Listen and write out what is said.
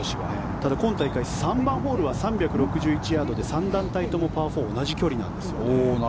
ただ今大会３番ホールは３６１ヤードで３団体ともパー４同じ距離なんです。